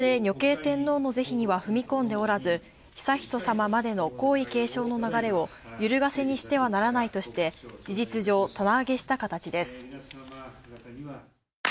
また、女性・女系天皇の是非には踏み込んでおらず、悠仁さままでの皇位継承の流れをゆるがせにしてはならないとして事実上棚上げした形です。